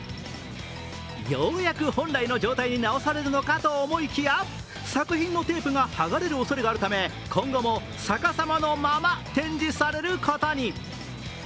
ようやく本来の状態に直されるのかと思いきや、作品のテープが剥がれるおそれがあるため今後も逆さまのまま展示されることに。